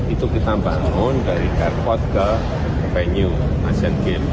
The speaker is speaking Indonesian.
itu kita bangun dari airport ke venue asian games